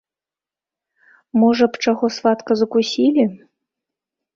Можа б, чаго, сватка, закусілі?